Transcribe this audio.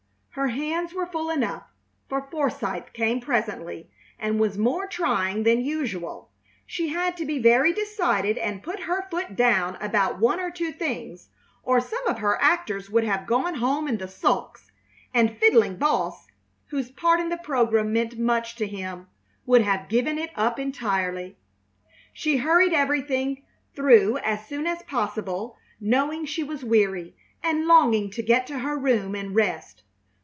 Her hands were full enough, for Forsythe came presently and was more trying than usual. She had to be very decided and put her foot down about one or two things, or some of her actors would have gone home in the sulks, and Fiddling Boss, whose part in the program meant much to him, would have given it up entirely. She hurried everything through as soon as possible, knowing she was weary, and longing to get to her room and rest.